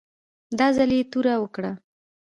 دا ځل یې توره وکړه.